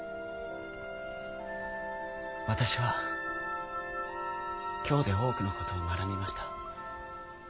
私は京で多くの事を学びました。